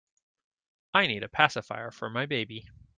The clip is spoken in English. I need a pacifier for my baby.